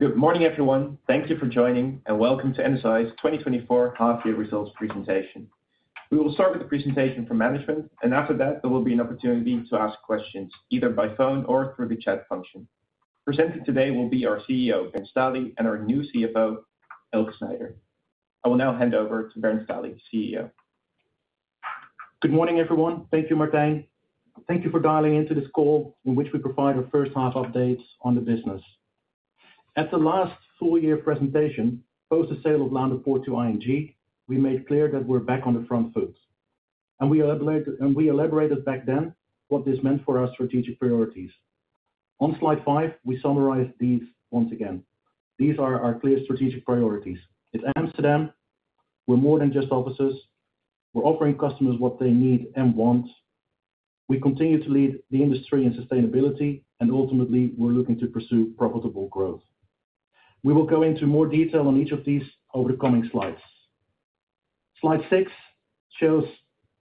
Good morning, everyone. Thank you for joining, and welcome to NSI's 2024 half-year results presentation. We will start with the presentation from management, and after that, there will be an opportunity to ask questions, either by phone or through the chat function. Presenting today will be our CEO, Bernd Stahli, and our new CFO, Elke Snijder. I will now hand over to Bernd Stahli, the CEO. Good morning, everyone. Thank you, Martijn. Thank you for dialing into this call in which we provide our first half updates on the business. At the last full year presentation, post the sale of Laan van de Poort to ING, we made clear that we're back on the front foot. And we elaborate, and we elaborated back then what this meant for our strategic priorities. On slide five, we summarize these once again. These are our clear strategic priorities. In Amsterdam, we're more than just offices. We're offering customers what they need and want. We continue to lead the industry in sustainability, and ultimately, we're looking to pursue profitable growth. We will go into more detail on each of these over the coming slides. Slide six shows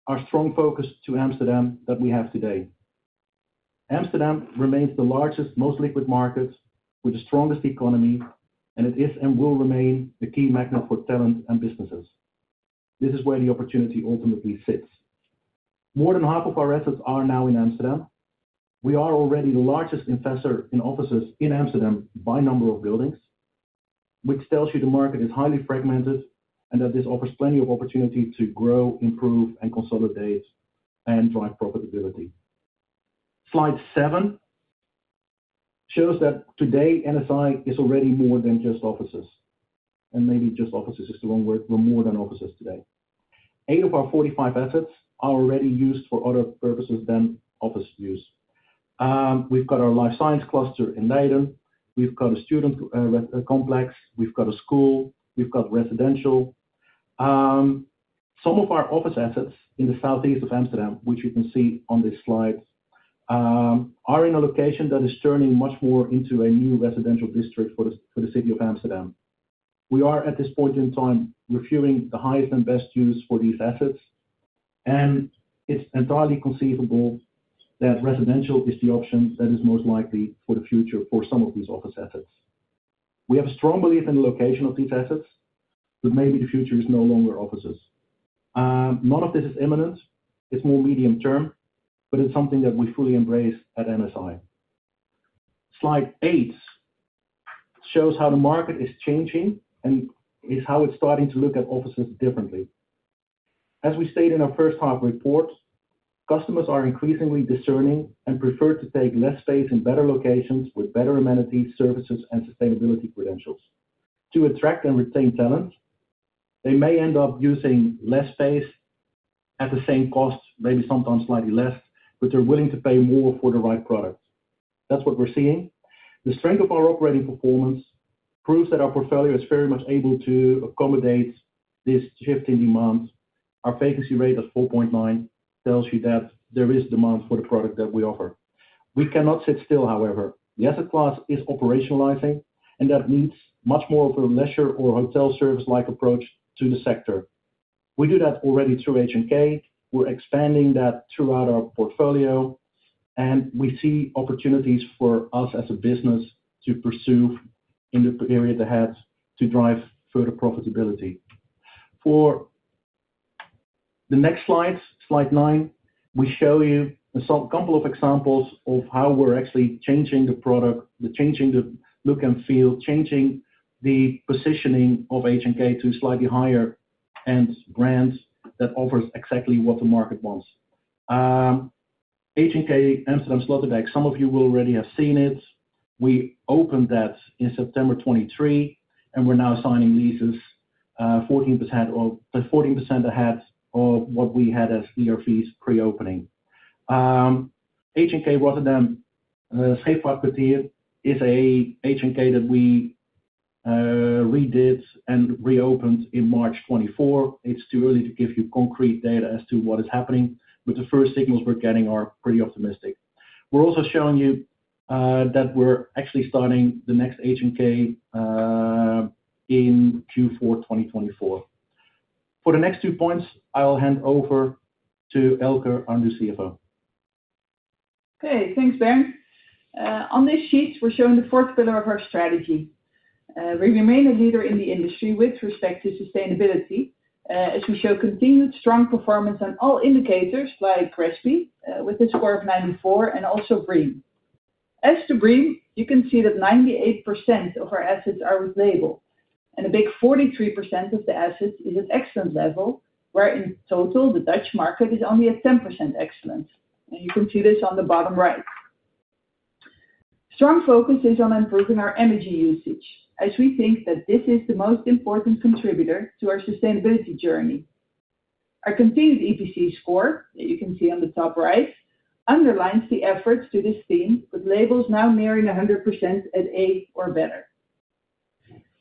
our strong focus to Amsterdam that we have today. Amsterdam remains the largest, most liquid market with the strongest economy, and it is, and will remain, the key magnet for talent and businesses. This is where the opportunity ultimately sits. More than half of our assets are now in Amsterdam. We are already the largest investor in offices in Amsterdam by number of buildings, which tells you the market is highly fragmented, and that this offers plenty of opportunity to grow, improve, and consolidate, and drive profitability. Slide 7 shows that today, NSI is already more than just offices, and maybe just offices is the wrong word. We're more than offices today. 8 of our 45 assets are already used for other purposes than office use. We've got our life science cluster in Leiden. We've got a student complex, we've got a school, we've got residential. Some of our office assets in the Southeast Amsterdam, which you can see on this slide, are in a location that is turning much more into a new residential district for the, for the city of Amsterdam. We are, at this point in time, reviewing the highest and best use for these assets, and it's entirely conceivable that residential is the option that is most likely for the future for some of these office assets. We have a strong belief in the location of these assets, but maybe the future is no longer offices. None of this is imminent. It's more medium-term, but it's something that we fully embrace at NSI. Slide eight shows how the market is changing and is how it's starting to look at offices differently. As we stated in our first half report, customers are increasingly discerning and prefer to take less space in better locations with better amenities, services, and sustainability credentials. To attract and retain talent, they may end up using less space at the same cost, maybe sometimes slightly less, but they're willing to pay more for the right product. That's what we're seeing. The strength of our operating performance proves that our portfolio is very much able to accommodate this shift in demand. Our vacancy rate of 4.9% tells you that there is demand for the product that we offer. We cannot sit still, however. The asset class is operationalizing, and that means much more of a leisure or hotel service-like approach to the sector. We do that already through HNK. We're expanding that throughout our portfolio, and we see opportunities for us, as a business, to pursue in the area ahead to drive further profitability. For the next slide, slide 9, we show you a couple of examples of how we're actually changing the product, we're changing the look and feel, changing the positioning of HNK to slightly higher-end brands that offers exactly what the market wants. HNK Amsterdam Sloterdijk, some of you will already have seen it. We opened that in September 2023, and we're now signing leases, fourteen percent or at 14% ahead of what we had as year fees pre-opening. HNK Rotterdam Scheepvaartkwartier is a HNK that we redid and reopened in March 2024. It's too early to give you concrete data as to what is happening, but the first signals we're getting are pretty optimistic. We're also showing you that we're actually starting the next HNK in Q4 2024. For the next two points, I will hand over to Elke, our new CFO. Okay, thanks, Bernd. On this sheet, we're showing the fourth pillar of our strategy. We remain a leader in the industry with respect to sustainability, as we show continued strong performance on all indicators like GRESB, with a score of 94, and also BREEAM. As to BREEAM, you can see that 98% of our assets are with label, and a big 43% of the assets is at excellent level, where in total, the Dutch market is only at 10% excellent. And you can see this on the bottom right. Strong focus is on improving our energy usage, as we think that this is the most important contributor to our sustainability journey. Our continued EPC score, that you can see on the top right, underlines the efforts to this theme, with labels now nearing 100% at A or better.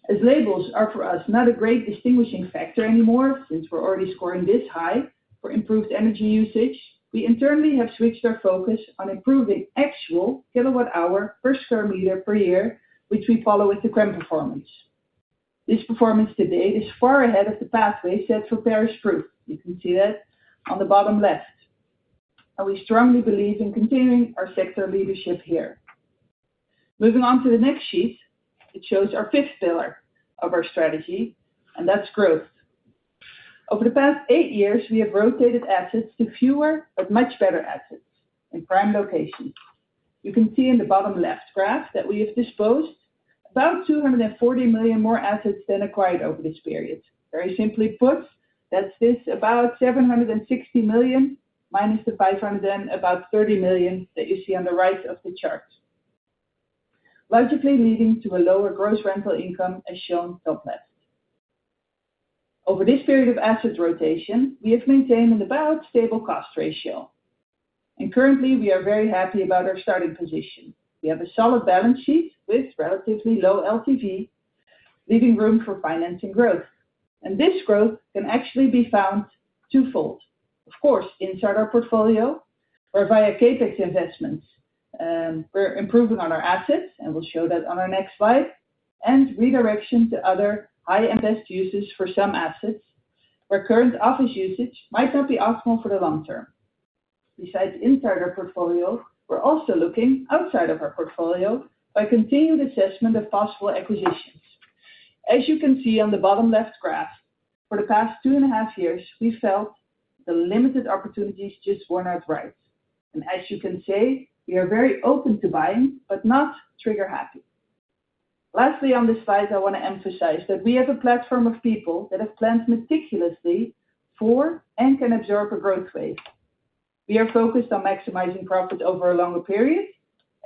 As labels are, for us, not a great distinguishing factor anymore, since we're already scoring this high for improved energy usage, we internally have switched our focus on improving actual kilowatt hour per square meter per year, which we follow with the CRREM performance. This performance to date is far ahead of the pathway set for Paris Proof. You can see that on the bottom left... and we strongly believe in continuing our sector leadership here. Moving on to the next sheet, it shows our fifth pillar of our strategy, and that's growth. Over the past eight years, we have rotated assets to fewer, but much better assets in prime locations. You can see in the bottom left graph that we have disposed about 240 million more assets than acquired over this period. Very simply put, that's this, about 760 million, minus the 500 million and about 30 million that you see on the right of the chart. Logically leading to a lower gross rental income, as shown top left. Over this period of asset rotation, we have maintained an about stable cost ratio, and currently, we are very happy about our starting position. We have a solid balance sheet with relatively low LTV, leaving room for financing growth, and this growth can actually be found twofold. Of course, inside our portfolio, where via CapEx investments, we're improving on our assets, and we'll show that on our next slide, and redirection to other high and best uses for some assets, where current office usage might not be optimal for the long term. Besides inside our portfolio, we're also looking outside of our portfolio by continued assessment of possible acquisitions. As you can see on the bottom left graph, for the past two and a half years, we felt the limited opportunities just were not right. As you can see, we are very open to buying, but not trigger-happy. Lastly, on this slide, I want to emphasize that we have a platform of people that have planned meticulously for and can absorb a growth phase. We are focused on maximizing profit over a longer period,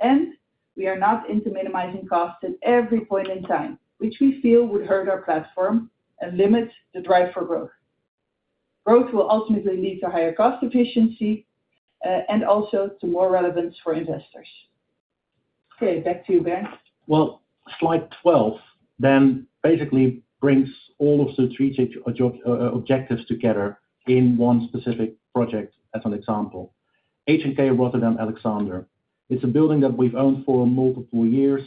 and we are not into minimizing costs at every point in time, which we feel would hurt our platform and limit the drive for growth. Growth will ultimately lead to higher cost efficiency, and also to more relevance for investors. Okay, back to you, Bernd. Well, slide 12 then basically brings all of the strategic objectives together in one specific project as an example. HNK Rotterdam Alexander. It's a building that we've owned for multiple years.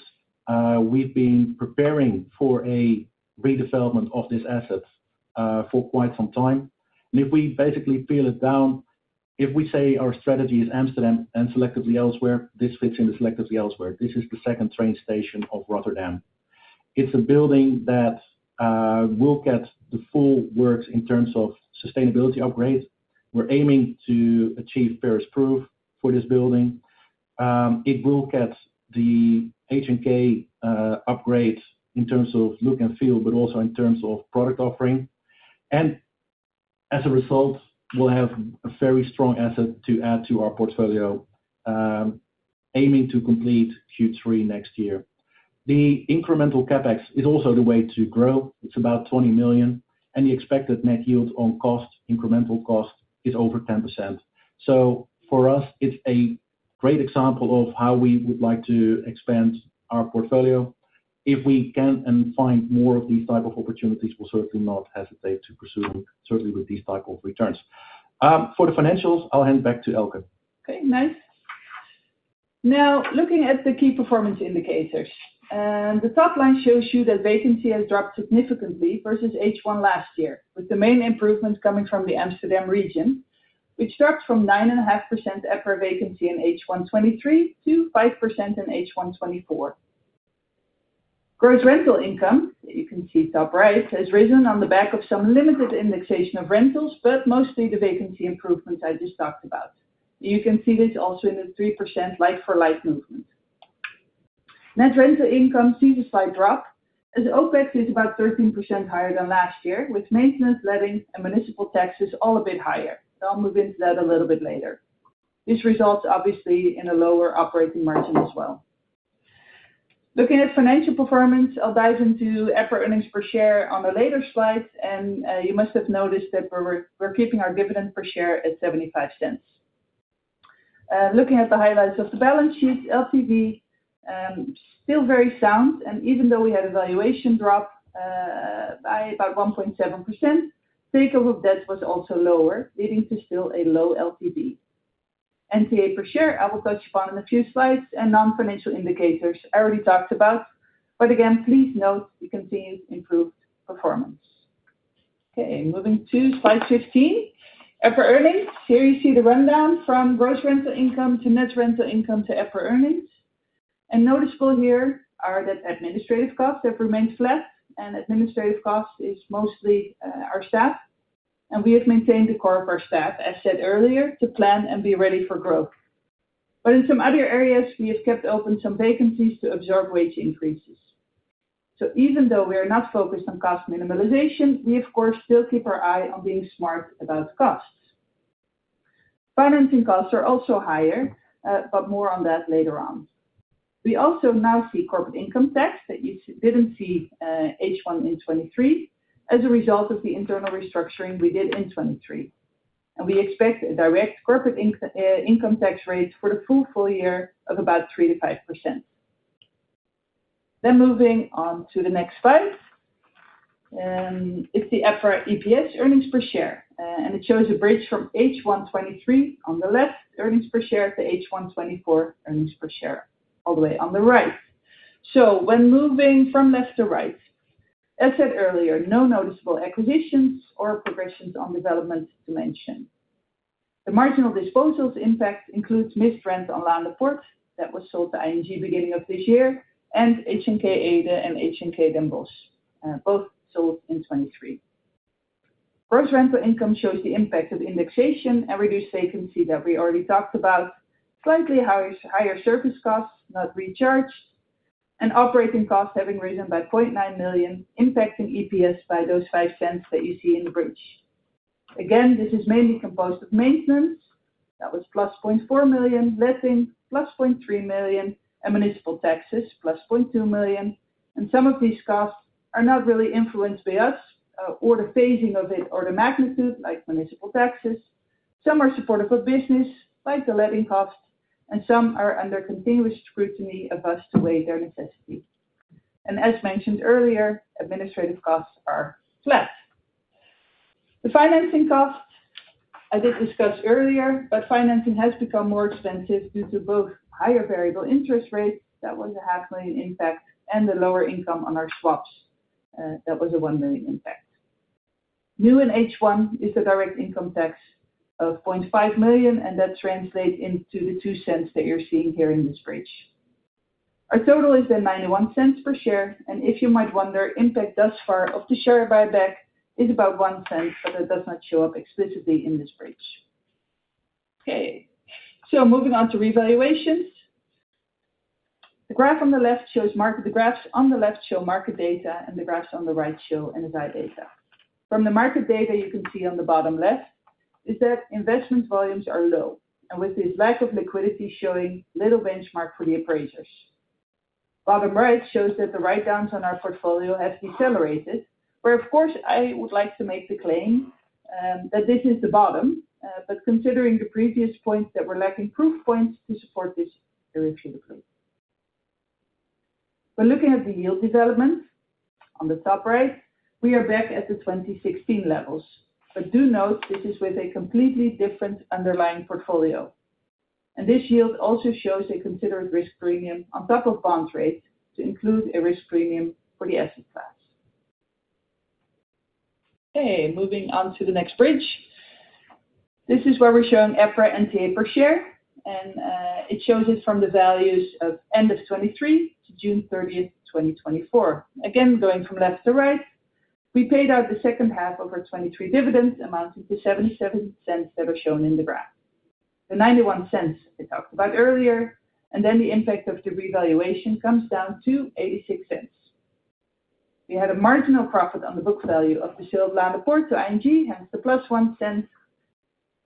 We've been preparing for a redevelopment of this asset for quite some time. And if we basically peel it down, if we say our strategy is Amsterdam and selectively elsewhere, this fits in the selectively elsewhere. This is the second train station of Rotterdam. It's a building that will get the full works in terms of sustainability upgrades. We're aiming to achieve Paris Proof for this building. It will get the HNK upgrades in terms of look and feel, but also in terms of product offering. And as a result, we'll have a very strong asset to add to our portfolio, aiming to complete Q3 next year. The incremental CapEx is also the way to grow. It's about 20 million, and the expected net yield on cost, incremental cost, is over 10%. So for us, it's a great example of how we would like to expand our portfolio. If we can and find more of these type of opportunities, we'll certainly not hesitate to pursue them, certainly with these type of returns. For the financials, I'll hand it back to Elke. Okay, nice. Now, looking at the key performance indicators. The top line shows you that vacancy has dropped significantly versus H1 last year, with the main improvements coming from the Amsterdam region, which dropped from 9.5% EPRA vacancy in H1 2023 to 5% in H1 2024. Gross rental income, you can see top right, has risen on the back of some limited indexation of rentals, but mostly the vacancy improvements I just talked about. You can see this also in the 3% like for like movement. Net rental income sees a slight drop, as OpEx is about 13% higher than last year, with maintenance, letting, and municipal taxes all a bit higher. I'll move into that a little bit later. This results, obviously, in a lower operating margin as well. Looking at financial performance, I'll dive into EPRA earnings per share on a later slide, and, you must have noticed that we're keeping our dividend per share at 0.75. Looking at the highlights of the balance sheet, LTV, still very sound, and even though we had a valuation drop, by about 1.7%, take-on debt was also lower, leading to still a low LTV. NTA per share, I will touch upon in a few slides, and non-financial indicators I already talked about, but again, please note the continued improved performance. Okay, moving to slide 15. EPRA earnings. Here you see the rundown from gross rental income to net rental income to EPRA earnings. Noticeable here are the administrative costs have remained flat, and administrative costs is mostly our staff, and we have maintained the core of our staff, as said earlier, to plan and be ready for growth. But in some other areas, we have kept open some vacancies to absorb wage increases. So even though we are not focused on cost minimization, we of course still keep our eye on being smart about costs. Financing costs are also higher, but more on that later on. We also now see corporate income tax that you didn't see in H1 2023 as a result of the internal restructuring we did in 2023. We expect a direct corporate income tax rate for the full year of about 3%-5%. Moving on to the next slide. It's the EPRA EPS, earnings per share, and it shows a bridge from H1 2023 on the left, earnings per share, to H1 2024 earnings per share all the way on the right. As said earlier, no noticeable acquisitions or progressions on development to mention. The marginal disposals impact includes missed rent on Laan van de Poort that was sold to ING beginning of this year, and HNK Ede and HNK Den Bosch, both sold in 2023. Gross rental income shows the impact of indexation and reduced vacancy that we already talked about, slightly higher, higher service costs, not recharged, and operating costs having risen by 0.9 million, impacting EPS by those 0.05 that you see in the bridge. Again, this is mainly composed of maintenance that was +0.4 million, letting +0.3 million, and municipal taxes +0.2 million. Some of these costs are not really influenced by us, or the phasing of it or the magnitude, like municipal taxes. Some are supportive of business, like the letting costs, and some are under continuous scrutiny of us to weigh their necessity. As mentioned earlier, administrative costs are flat. The financing costs, I did discuss earlier, but financing has become more expensive due to both higher variable interest rates, that was a 0.5 million impact, and the lower income on our swaps, that was a 1 million impact. New in H1 is the direct income tax of 0.5 million, and that translate into the 0.02 that you're seeing here in this bridge. Our total is then 0.91 per share, and if you might wonder, impact thus far of the share buyback is about 0.01, but it does not show up explicitly in this bridge. Okay, so moving on to revaluations. The graphs on the left show market data, and the graphs on the right show NSI data. From the market data you can see on the bottom left, is that investment volumes are low, and with this lack of liquidity showing little benchmark for the appraisers. Bottom right shows that the write-downs on our portfolio have decelerated, where of course, I would like to make the claim, that this is the bottom, but considering the previous points that were lacking proof points to support this direction claim. But looking at the yield development on the top right, we are back at the 2016 levels. But do note this is with a completely different underlying portfolio, and this yield also shows a considered risk premium on top of bond rates to include a risk premium for the asset class. Okay, moving on to the next bridge. This is where we're showing EPRA and NTA per share, and it shows it from the values of end of 2023 to June 30, 2024. Again, going from left to right, we paid out the second half of our 2023 dividends, amounting to 0.77 that are shown in the graph. The 0.91 I talked about earlier, and then the impact of the revaluation comes down to 0.86. We had a marginal profit on the book value of the sale of Laan van de Poort to ING, hence the +0.01,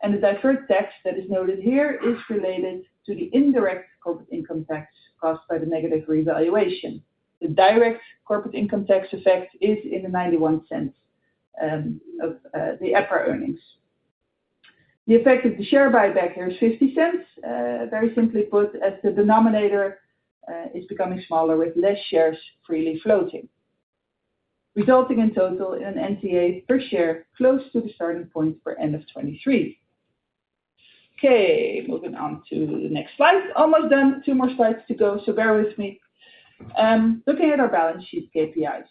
and the deferred tax that is noted here is related to the indirect corporate income tax caused by the negative revaluation. The direct corporate income tax effect is in the 0.91 of the EPRA earnings. The effect of the share buyback here is 0.50, very simply put, as the denominator is becoming smaller with less shares freely floating, resulting in total in NTA per share, close to the starting point for end of 2023. Okay, moving on to the next slide. Almost done. Two more slides to go, so bear with me. Looking at our balance sheet KPIs.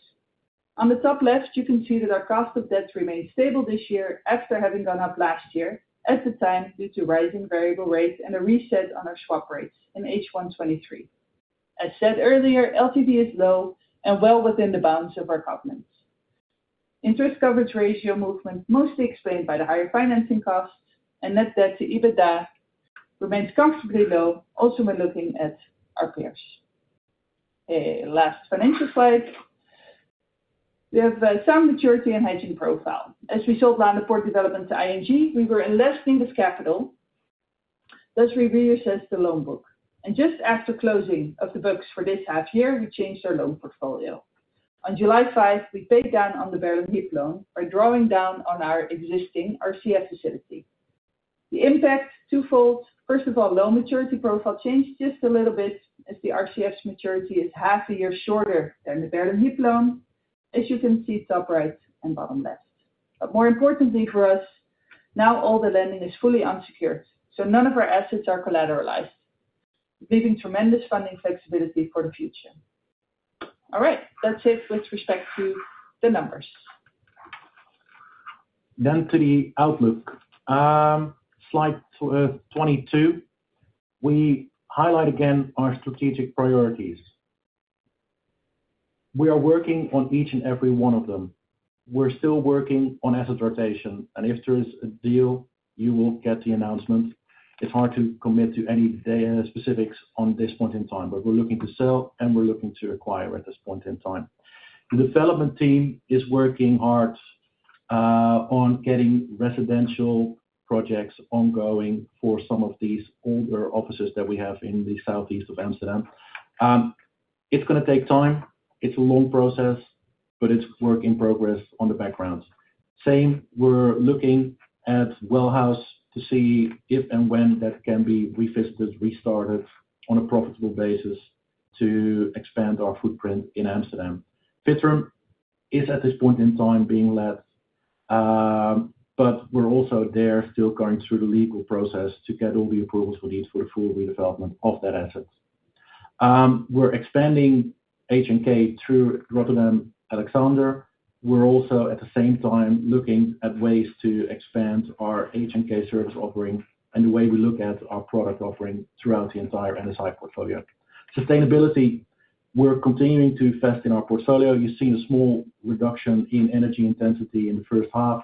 On the top left, you can see that our cost of debt remained stable this year after having gone up last year, at the time, due to rising variable rates and a reset on our swap rates in H1-2023. As said earlier, LTV is low and well within the bounds of our covenants. Interest coverage ratio movement, mostly explained by the higher financing costs and net debt to EBITDA remains comfortably low, also when looking at our peers. Okay, last financial slide. We have some maturity and hedging profile. As we sold Laan van de Poort development to ING, we were in less need of capital. Let's reassess the loan book. Just after closing of the books for this half year, we changed our loan portfolio. On July 5, we paid down on the Berlin Hyp loan by drawing down on our existing RCF facility. The impact, twofold: first of all, loan maturity profile changed just a little bit as the RCF's maturity is half a year shorter than the Berlin Hyp loan, as you can see top right and bottom left. But more importantly for us, now all the lending is fully unsecured, so none of our assets are collateralized, leaving tremendous funding flexibility for the future. All right, that's it with respect to the numbers. Then to the outlook. Slide twenty-two. We highlight again our strategic priorities. We are working on each and every one of them. We're still working on asset rotation, and if there is a deal, you will get the announcement. It's hard to commit to any data specifics on this point in time, but we're looking to sell, and we're looking to acquire at this point in time. The development team is working hard on getting residential projects ongoing for some of these older offices that we have in Southeast Amsterdam. It's gonna take time. It's a long process, but it's work in progress on the background. Same, we're looking at Well House to see if and when that can be revisited, restarted on a profitable basis to expand our footprint in Amsterdam. Vitrum is, at this point in time, being let-... But we're also there still going through the legal process to get all the approvals we need for a full redevelopment of that asset. We're expanding HNK through Rotterdam Alexander. We're also, at the same time, looking at ways to expand our HNK service offering and the way we look at our product offering throughout the entire NSI portfolio. Sustainability, we're continuing to invest in our portfolio. You've seen a small reduction in energy intensity in the first half.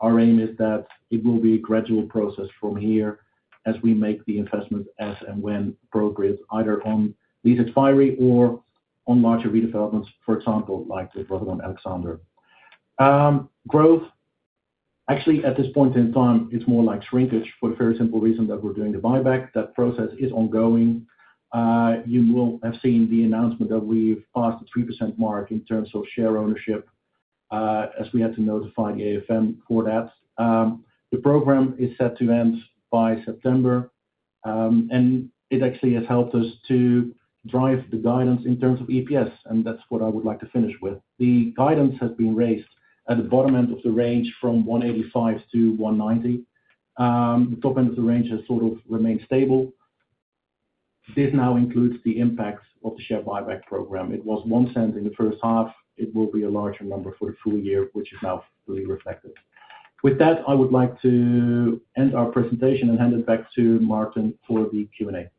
Our aim is that it will be a gradual process from here as we make the investment, as and when appropriate, either on lease expiry or on larger redevelopments, for example, like the Rotterdam Alexander. Growth, actually, at this point in time, it's more like shrinkage for the very simple reason that we're doing the buyback. That process is ongoing. You will have seen the announcement that we've passed the 3% mark in terms of share ownership, as we had to notify the AFM for that. The program is set to end by September, and it actually has helped us to drive the guidance in terms of EPS, and that's what I would like to finish with. The guidance has been raised at the bottom end of the range from 1.85 to 1.90. The top end of the range has sort of remained stable. This now includes the impacts of the share buyback program. It was 0.01 in the first half. It will be a larger number for the full year, which is now fully reflected. With that, I would like to end our presentation and hand it back to Martijn for the Q&A.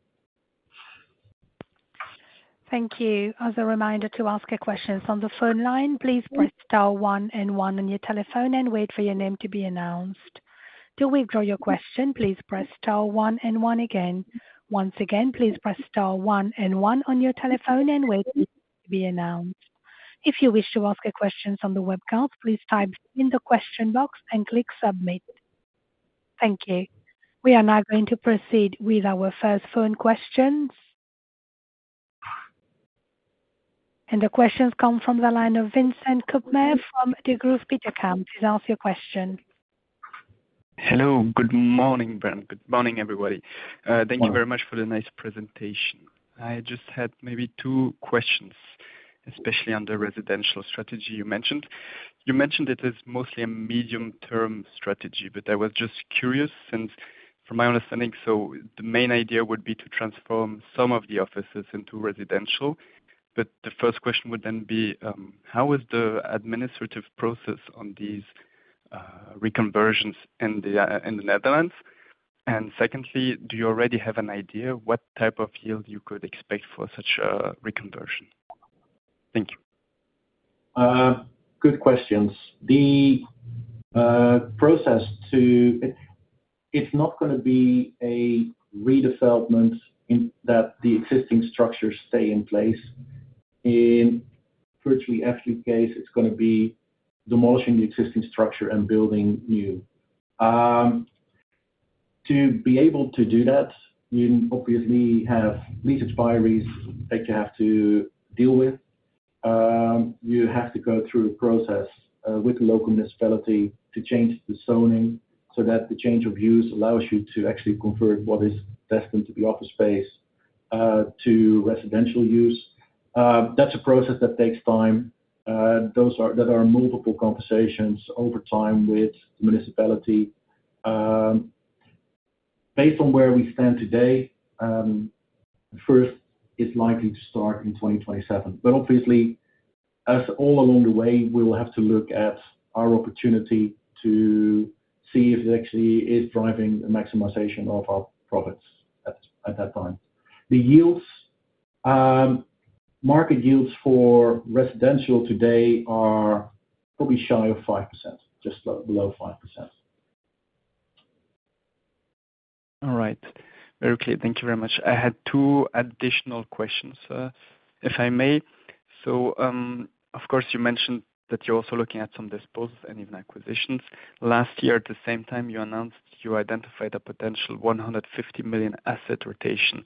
Thank you. As a reminder, to ask a question on the phone line, please press star one and one on your telephone and wait for your name to be announced. To withdraw your question, please press star one and one again. Once again, please press star one and one on your telephone and wait to be announced. If you wish to ask a question on the webcast, please type in the question box and click Submit. Thank you. We are now going to proceed with our first phone questions. The questions come from the line of Vincent Kopmeijer from Degroof Petercam. Please ask your question. Hello, good morning, Bernd. Good morning, everybody. Morning. Thank you very much for the nice presentation. I just had maybe two questions, especially on the residential strategy you mentioned. You mentioned it is mostly a medium-term strategy, but I was just curious, since from my understanding, the main idea would be to transform some of the offices into residential. But the first question would then be, how is the administrative process on these, reconversions in the, in the Netherlands? And secondly, do you already have an idea what type of yield you could expect for such a reconversion? Thank you. Good questions. The process, it’s not gonna be a redevelopment in that the existing structures stay in place. In virtually every case, it’s gonna be demolishing the existing structure and building new. To be able to do that, you obviously have lease expiries that you have to deal with. You have to go through a process with the local municipality to change the zoning, so that the change of use allows you to actually convert what is destined to be office space to residential use. That’s a process that takes time. There are multiple conversations over time with the municipality. Based on where we stand today, the first is likely to start in 2027. But obviously, as all along the way, we will have to look at our opportunity to see if it actually is driving the maximization of our profits at that time. The yields, market yields for residential today are probably shy of 5%, just below 5%. All right. Okay, thank you very much. I had two additional questions, if I may. So, of course, you mentioned that you're also looking at some disposals and even acquisitions. Last year, at the same time, you announced you identified a potential 150 million asset rotation.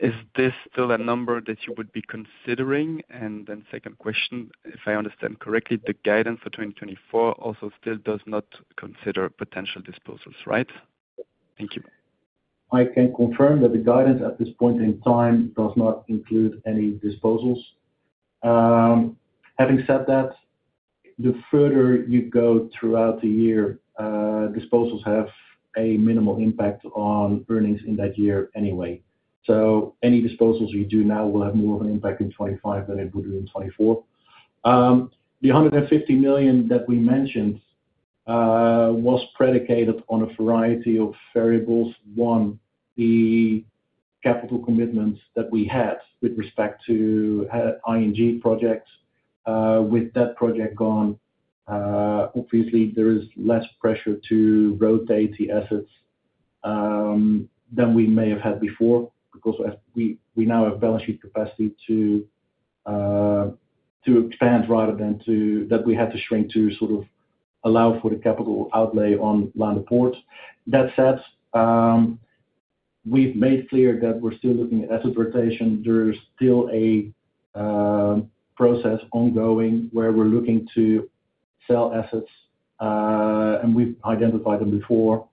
Is this still a number that you would be considering? And then second question: If I understand correctly, the guidance for 2024 also still does not consider potential disposals, right? Thank you. I can confirm that the guidance at this point in time does not include any disposals. Having said that, the further you go throughout the year, disposals have a minimal impact on earnings in that year anyway. So any disposals you do now will have more of an impact in 2025 than it would do in 2024. The 150 million that we mentioned was predicated on a variety of variables. One, the capital commitments that we had with respect to ING projects. With that project gone, obviously there is less pressure to rotate the assets than we may have had before, because as we now have balance sheet capacity to expand rather than that we had to shrink to sort of allow for the capital outlay on Laan van de Poort. That said, we've made clear that we're still looking at asset rotation. There's still a process ongoing, where we're looking to sell assets, and we've identified them before.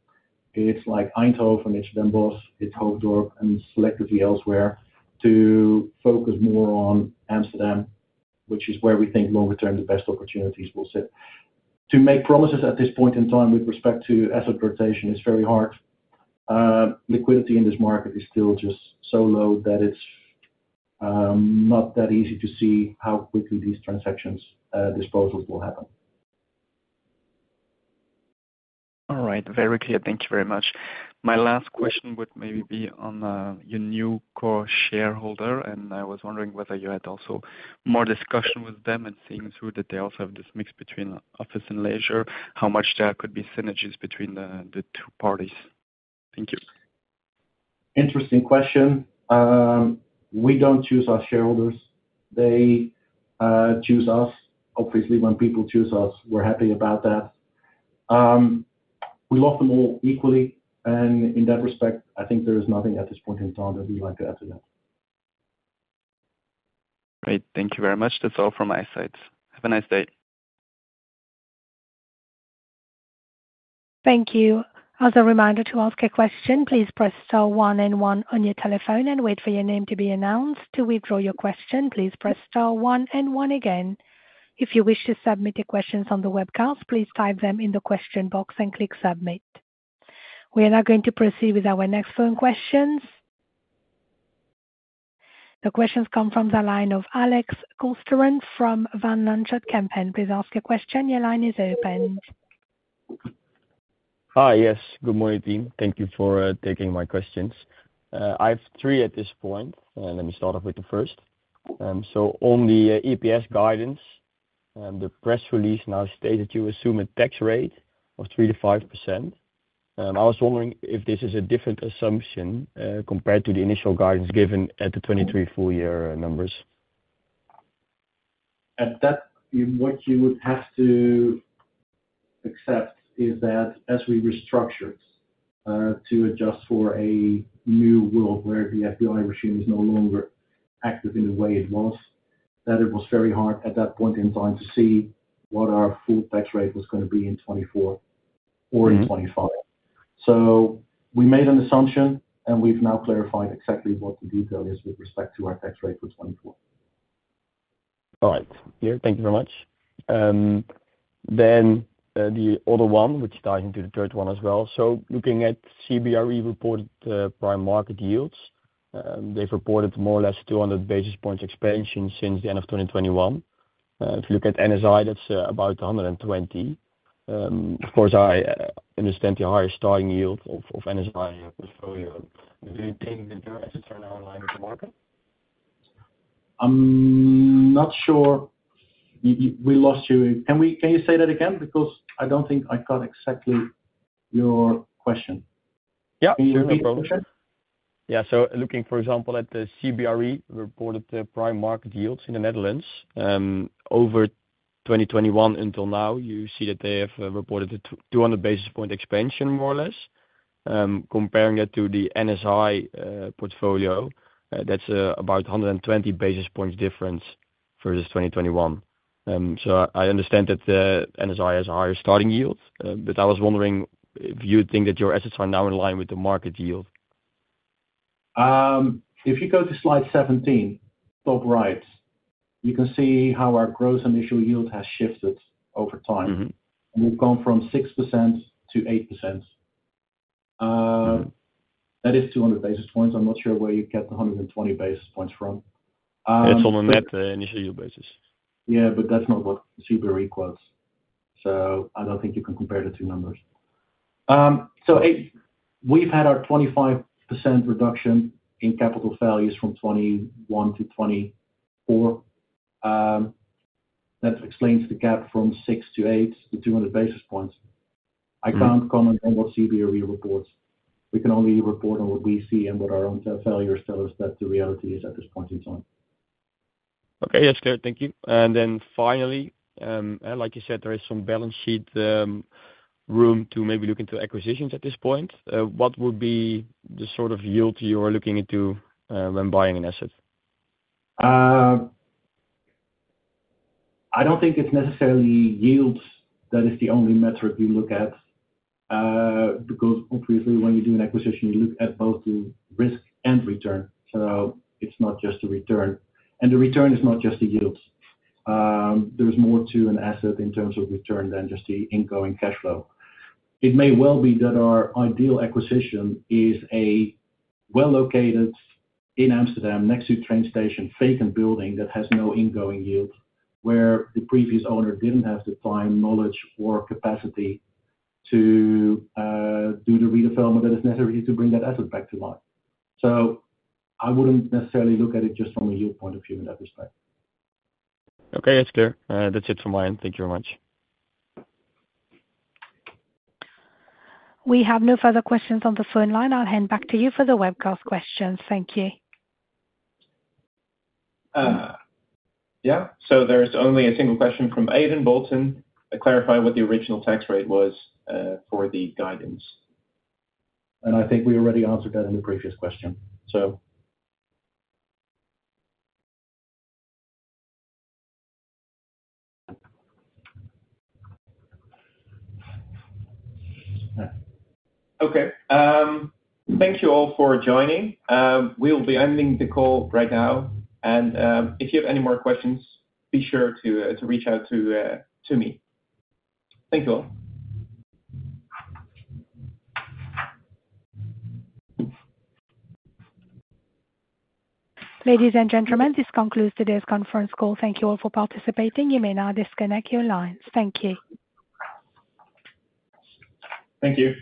It's like Eindhoven, it's Den Bosch, it's Hoofddorp, and selectively elsewhere, to focus more on Amsterdam, which is where we think long term, the best opportunities will sit. To make promises at this point in time with respect to asset rotation is very hard. Liquidity in this market is still just so low that it's not that easy to see how quickly these transactions, disposals will happen. All right. Very clear. Thank you very much. My last question would maybe be on your new core shareholder, and I was wondering whether you had also more discussion with them and seeing through that they also have this mix between office and leisure, how much there could be synergies between the, the two parties? Thank you. Interesting question. We don't choose our shareholders. They choose us. Obviously, when people choose us, we're happy about that. We love them all equally, and in that respect, I think there is nothing at this point in time that we'd like to add to that. Great. Thank you very much. That's all from my side. Have a nice day. Thank you. As a reminder, to ask a question, please press star one and one on your telephone and wait for your name to be announced. To withdraw your question, please press star one and one again. If you wish to submit your questions on the webcast, please type them in the question box and click submit. We are now going to proceed with our next phone questions. The questions come from the line of Alex Kolsteren from Van Lanschot Kempen. Please ask your question. Your line is open. Hi. Yes, good morning, team. Thank you for taking my questions. I have three at this point, and let me start off with the first. So on the EPS guidance, the press release now stated you assume a tax rate of 3%-5%. I was wondering if this is a different assumption, compared to the initial guidance given at the 2023 full year numbers. At that, what you would have to accept is that as we restructured to adjust for a new world where the FBI regime is no longer active in the way it was, that it was very hard at that point in time to see what our full tax rate was gonna be in 2024 or in 2025. Mm-hmm. We made an assumption, and we've now clarified exactly what the detail is with respect to our tax rate for 2024. All right. Clear. Thank you very much. Then, the other one, which ties into the third one as well. So looking at CBRE reported, prime market yields, they've reported more or less 200 basis points expansion since the end of 2021. If you look at NSI, that's, about 120. Of course, I understand the higher starting yield of, of NSI portfolio. Do you think that your assets are now in line with the market? I'm not sure we lost you. Can you say that again? Because I don't think I caught exactly your question. Yeah. Can you repeat the question? Yeah, so looking, for example, at the CBRE reported prime market yields in the Netherlands, over 2021 until now, you see that they have reported a 200 basis point expansion, more or less. Comparing it to the NSI portfolio, that's about a 120 basis points difference versus 2021. So I, I understand that NSI has a higher starting yield, but I was wondering if you think that your assets are now in line with the market yield? If you go to slide 17, top right, you can see how our gross initial yield has shifted over time. Mm-hmm. We've gone from 6% to 8%. Mm-hmm. That is 200 basis points. I'm not sure where you get the 120 basis points from. It's on a net initial basis. Yeah, but that's not what CBRE quotes. So I don't think you can compare the two numbers. We've had our 25% reduction in capital values from 2021 to 2024. That explains the gap from 6 to 8 to 200 basis points. Mm. I can't comment on what CBRE reports. We can only report on what we see and what our own failures tell us that the reality is at this point in time. Okay, yes, clear. Thank you. And then finally, like you said, there is some balance sheet, room to maybe look into acquisitions at this point. What would be the sort of yield you are looking into, when buying an asset? I don't think it's necessarily yields that is the only metric we look at, because obviously, when you do an acquisition, you look at both the risk and return. So it's not just the return. And the return is not just the yields. There's more to an asset in terms of return than just the ingoing cash flow. It may well be that our ideal acquisition is a well-located in Amsterdam, next to train station, vacant building that has no ingoing yield, where the previous owner didn't have the time, knowledge or capacity to do the redevelopment that is necessary to bring that asset back to life. So I wouldn't necessarily look at it just from a yield point of view at this time. Okay, that's clear. That's it from my end. Thank you very much. We have no further questions on the phone line. I'll hand back to you for the webcast questions. Thank you. Yeah, so there's only a single question from Aidan Bolton, to clarify what the original tax rate was, for the guidance. I think we already answered that in the previous question, so... Okay, thank you all for joining. We'll be ending the call right now, and if you have any more questions, be sure to reach out to me. Thank you all. Ladies and gentlemen, this concludes today's conference call. Thank you all for participating. You may now disconnect your lines. Thank you. Thank you.